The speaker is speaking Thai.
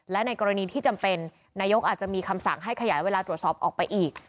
และในกรณีที่จำเป็นนายกอาจจะมีคำสั่งให้ขยายเวลาตรวจสอบออกไปอีก